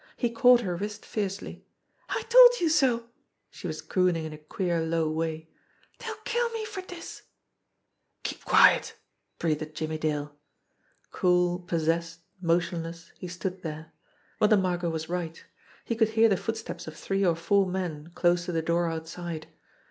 He caught her wrist fiercely. "I told youse so !" She was crooning in a queer, low way. "Dey'll kill me for dis !" "Keep quiet!" breathed Jimmie Dale. Cool, possessed, motionless, he stood there. Mother Mar got was right. He could hear the footsteps of three or four men close to the door outside.